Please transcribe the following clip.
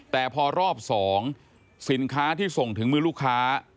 แต่พอรอบ๒สินค้าที่ส่งถึงมือลูกค้า